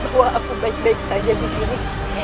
buat aku baik baik saja disini